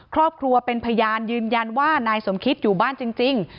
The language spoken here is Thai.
ครอบครัวเป็นพยานยืนยันว่านายสมคิตอยู่บ้านจริง